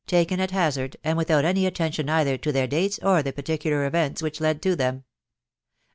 taken at hazard, and without any attention either to their dates or the particular events which led to them. No.